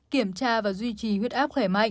kiểm tra và duy trì huyết áp khỏe mạnh